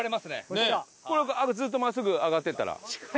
これずっと真っすぐ上がっていったら？